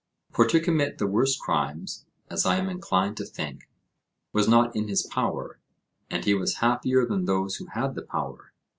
For to commit the worst crimes, as I am inclined to think, was not in his power, and he was happier than those who had the power.